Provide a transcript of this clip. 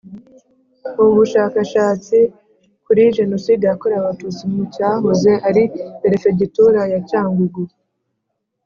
Ubu bushakashatsi kuri Jenoside yakorewe Abatutsi mu cyahoze ari perefegitura ya cyangugu